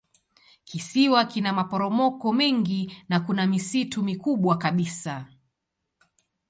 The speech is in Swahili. Kisiwa kina maporomoko mengi na kuna misitu mikubwa kabisa.